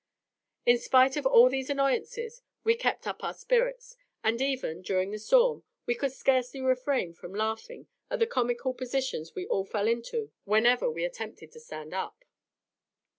In spite of all these annoyances, we kept up our spirits, and even, during the storm, we could scarcely refrain from laughing at the comical positions we all fell into whenever we attempted to stand up.